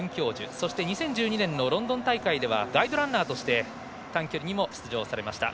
そして、２０１２年のロンドン大会ではガイドランナーとして短距離にも出場しました。